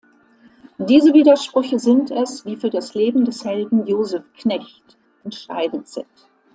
Diese Widersprüche sind es, die für das Leben des Helden, Josef Knecht, entscheidend sind.